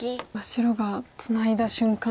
白がツナいだ瞬間